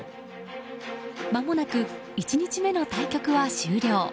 まもなく１日目の対局は終了。